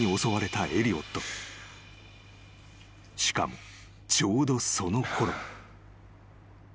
［しかもちょうどそのころ］